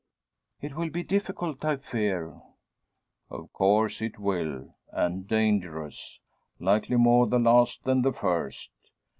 "It will be difficult, I fear." "Of course it will; and dangerous. Likely more the last than the first.